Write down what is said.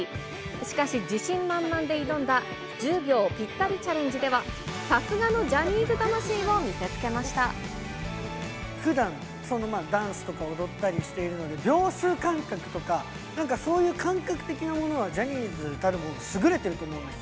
しかし、自信満々で挑んだ１０秒ピッタリチャレンジでは、さすがのジャニふだん、ダンスとか踊ったりしているので、秒数感覚とか、なんかそういう感覚的なものは、ジャニーズたるもの、優れてると思うんです。